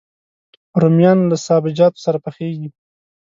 رومیان له سابهجاتو سره پخېږي